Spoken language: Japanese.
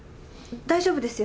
大丈夫ですよ。